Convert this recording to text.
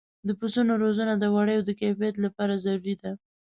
د پسونو روزنه د وړیو د کیفیت لپاره ضروري ده.